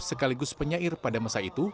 sekaligus penyair pada masa itu